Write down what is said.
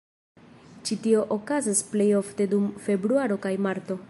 Ĉi tio okazas plejofte dum februaro kaj marto.